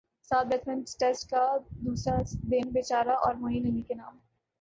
ساتھ Hampton test کا دوسرا دن پجارا اور معین علی کے نام